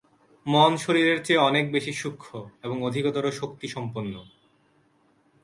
মন শরীরের চেয়ে অনেক বেশী সূক্ষ্ম, এবং অধিকতর শক্তিসম্পন্ন।